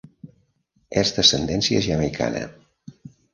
És d'ascendència jamaicana.